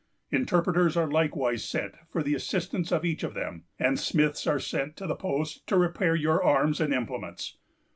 Interpreters are likewise sent for the assistance of each of them; and smiths are sent to the posts to repair your arms and implements.